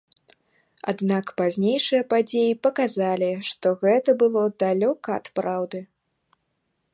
Аднак пазнейшыя падзеі паказалі, што гэта было далёка ад праўды.